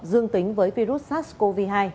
dương tính với virus sars cov hai